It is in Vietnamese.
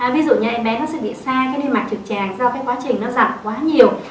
ví dụ như em bé nó sẽ bị sa cái niên mạc trực tràng do cái quá trình nó giặt quá nhiều